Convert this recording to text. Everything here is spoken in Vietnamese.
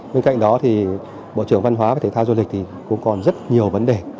bên cạnh đó thì bộ trưởng văn hóa và thể thao du lịch thì cũng còn rất nhiều vấn đề